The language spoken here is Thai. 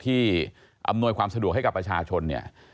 อำนวยความสะดวกให้กับประชาชนเนี่ย